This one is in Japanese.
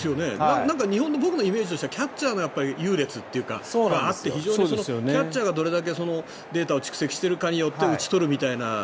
日本の、僕のイメージではキャッチャーの優劣があってキャッチャーがどれだけデータを蓄積してるかによって打ち取るみたいな。